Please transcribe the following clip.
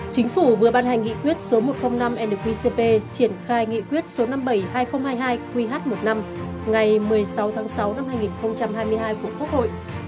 chính phủ vừa ban hành nghị quyết số một trăm linh năm nqcp triển khai nghị quyết số năm mươi bảy hai nghìn hai mươi hai qh một mươi năm ngày một mươi sáu tháng sáu năm hai nghìn hai mươi hai của quốc hội